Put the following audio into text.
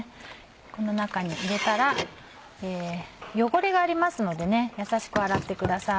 この中に入れたら汚れがありますのでやさしく洗ってください。